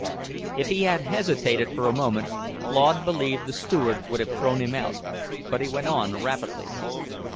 If he had hesitated for a moment, Claude believed the Steward would have thrown him out, but he went on rapidly.